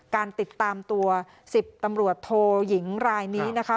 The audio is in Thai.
การติดตามตัว๑๐ตำรวจโทยิงรายนี้นะคะ